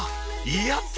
やった！